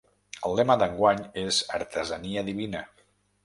El lema d’enguany és ‘artesania divina’.